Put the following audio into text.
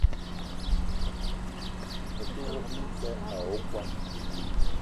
Me te wok minta ayi okwuan vi.